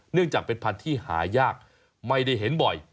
เนื่องจากเป็นพันธุ์ที่หายากไม่ได้เห็นบ่อย